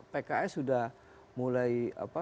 pks sudah mulai apa